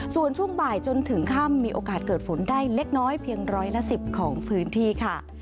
ส่วนช่วงบ่ายจนถึงค่ำมีโอกาสเกิดฝนได้เล็กน้อยเพียงร้อยละ๑๐ของพื้นที่ค่ะ